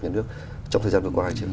nhà nước trong thời gian vừa qua hay chưa